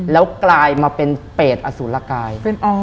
แล้วกลายมาเป็นเปรตอสุรกาย